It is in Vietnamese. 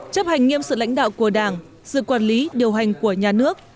chấp hành nghiêm sự lãnh đạo của đảng sự quản lý điều hành của nhà nước